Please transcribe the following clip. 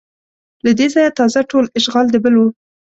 له دې ځایه تازه ټول اشغال د بل و